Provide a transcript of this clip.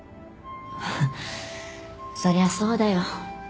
そりゃそうだよ。